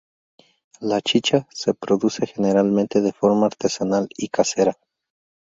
La chicha se produce generalmente de forma artesanal y casera.